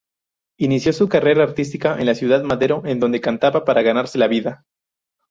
Inició su carrera artística en Ciudad Madero, en donde cantaba para ganarse la vida.